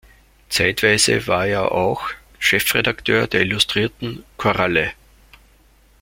Zeitweise war er auch Chefredakteur der Illustrierten „Koralle“.